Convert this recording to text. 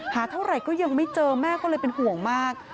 เท่าไหร่ก็ยังไม่เจอแม่ก็เลยเป็นห่วงมาก